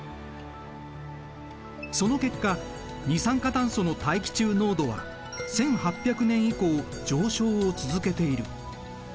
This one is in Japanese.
その結果二酸化炭素の大気中濃度は１８００年以降上昇を続けている。